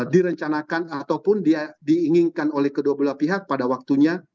direncanakan ataupun dia diinginkan oleh kedua belah pihak pada waktunya